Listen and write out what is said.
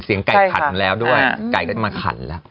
ไก่ขันแล้วด้วยไก่ก็จะมาขันแล้ว